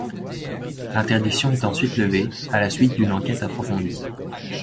L'interdiction est ensuite levée, à la suite d'une enquête approfondie.